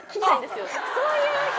そういう日？